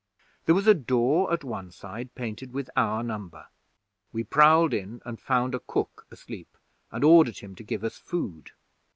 There was a door at one side painted with our number. We prowled in, and I found a cook asleep, and ordered him to give us food.